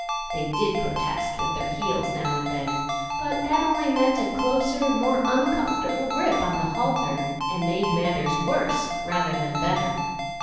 They did protest with their heels now and then, but that only meant a closer, more uncomfortable grip on the halter, and made matters rather worse than better.